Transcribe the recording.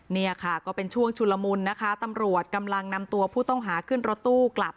เนี่ยค่ะก็เป็นช่วงชุลมุนนะคะตำรวจกำลังนำตัวผู้ต้องหาขึ้นรถตู้กลับ